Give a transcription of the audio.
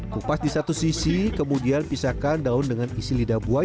kupas di satu sisi kemudian pisahkan daun dengan isi lidah buah